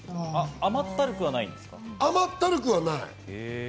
甘ったるくはない。